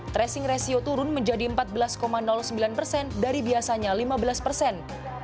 tracing ratio turun menjadi empat belas sembilan persen dari biasanya lima belas persen